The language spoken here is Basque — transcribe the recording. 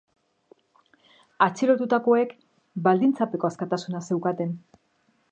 Atxilotutakoek baldintzapeko askatasuna zeukaten.